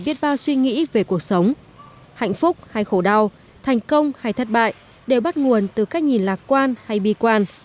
viết bao suy nghĩ về cuộc sống hạnh phúc hay khổ đau thành công hay thất bại đều bắt nguồn từ cách nhìn lạc quan hay bi quan